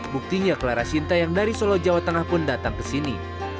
buktinya clara sinta yang dari solo jawa tengah pun datang ke sini